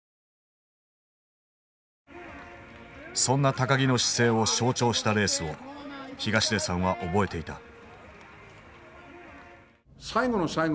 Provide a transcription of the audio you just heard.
そんな木の姿勢を象徴したレースを東出さんは覚えていた。